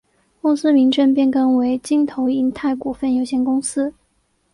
公司名称变更为京投银泰股份有限公司。